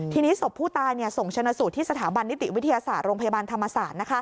ทีนี้ศพผู้ตายส่งชนะสูตรที่สถาบันนิติวิทยาศาสตร์โรงพยาบาลธรรมศาสตร์